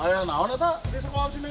ayah naon itu disukup sini